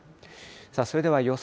それでは予想